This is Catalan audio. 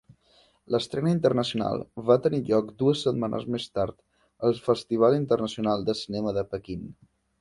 L'estrena internacional va tenir lloc dues setmanes més tard al Festival Internacional de Cinema de Pequín.